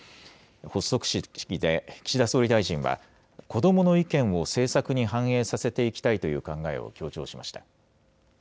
発足式で岸田総理大臣は、子どもの意見を政策に反映させていきたいという考えを強調しました。